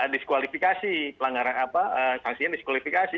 diskualifikasi pelanggaran apa sanksinya diskualifikasi